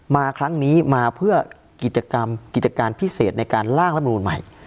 มาครั้งนี้มาเพื่อกิจกรรมกิจการพิเศษในการล่างรัฐมนูลใหม่